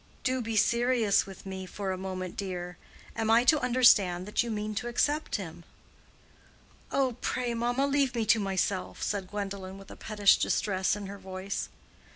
"Do be serious with me for a moment, dear. Am I to understand that you mean to accept him?" "Oh, pray, mamma, leave me to myself," said Gwendolen, with a pettish distress in her voice.